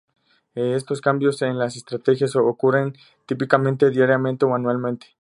Estos cambios en las estrategias ocurren típicamente diariamente o anualmente.